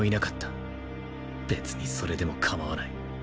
別にそれでも構わない